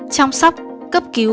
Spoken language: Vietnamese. chăm sóc cấp cứu